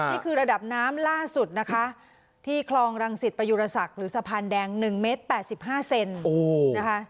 นี่คือระดับน้ำล่าสุดนะคะที่คลองรังสิตประยุรศักดิ์หรือสะพานแดง๑เมตร๘๕เซนนะคะ